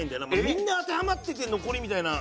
みんな当てはまってて残りみたいな。